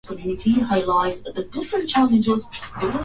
imekuwa ya kwanza kulitambua baraza la waasi